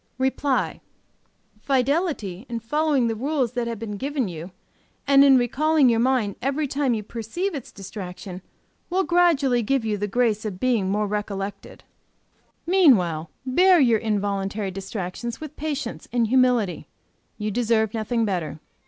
"REPLY. Fidelity in following the rules that have been given you, and in recalling your mind every time you perceive its distraction, will gradually give you the grace of being more recollected. Meanwhile bear your involuntary distractions with patience and humility; you deserve nothing better.